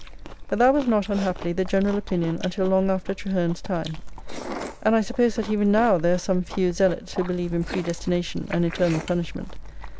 But that was not, unhappily, the general opinion until long after Traherne's time ; and I suppose that even now there are some few zealots who believe in predestination and eternal punishment.